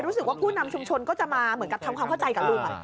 ผู้นำชุมชนก็จะมาเหมือนกับทำความเข้าใจกับลุง